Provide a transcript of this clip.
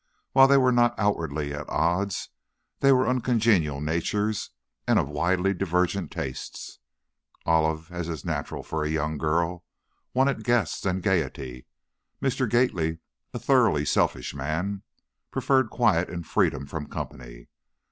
While they were not outwardly at odds, they were uncongenial natures, and of widely divergent tastes. Olive, as is natural for a young girl, wanted guests and gayety. Mr. Gately, a thoroughly selfish man, preferred quiet and freedom from company.